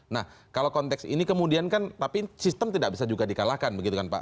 nah kalau konteks ini kemudian kan tapi sistem tidak bisa juga dikalahkan begitu kan pak